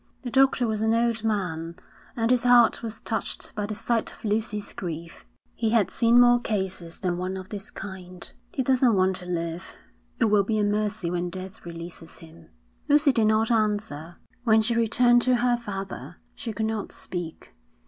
The doctor was an old man, and his heart was touched by the sight of Lucy's grief. He had seen more cases than one of this kind. 'He doesn't want to live. It will be a mercy when death releases him.' Lucy did not answer. When she returned to her father, she could not speak.